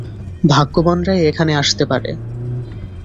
ভাগ্যবানরাই এখানে আসতে পারে।